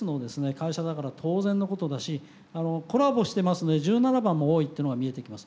会社だから当然のことだしあのコラボしてますので１７番も多いっていうのが見えてきます。